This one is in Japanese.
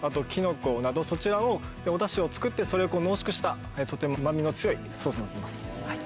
こちらは。などそちらをお出汁を作ってそれを濃縮したとても旨味の強いソースになってます。